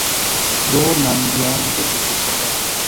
Duonan jaron, eble pli longe.